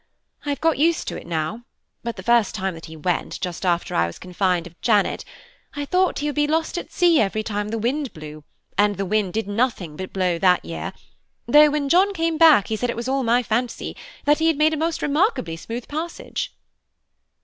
I have got used to it now; but the first time that he went, just after I was confined of Janet, I thought he would be lost at sea every time the wind blew, and the wind did nothing but blow that year, though when John came back he said it was all my fancy, and that he had made a remarkably smooth passage."